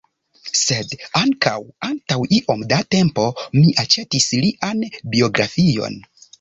Sed, ankaŭ, antaŭ iom da tempo, mi aĉetis lian biografion.